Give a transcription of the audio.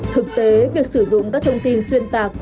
thực tế việc sử dụng các thông tin xuyên tạc